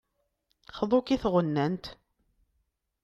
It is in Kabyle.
Xḍu-k i tɣennant.